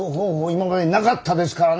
今までなかったですからね！